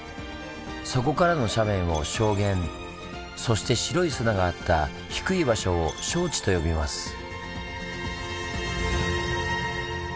そこからの斜面を「礁原」そして白い砂があった低い場所を「礁池」と呼びます。